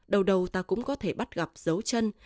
đầu đầu ta cũng có thể bắt gặp dấu chân